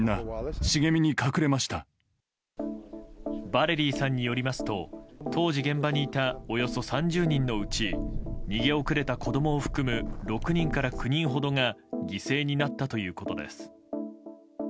バレリィーさんによりますと当時、現場にいたおよそ３０人のうち逃げ遅れた子供を含む６人から９人ほどが犠牲になったということです。